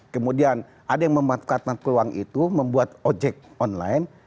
kemudian ada yang memanfaatkan peluang itu membuat ojek online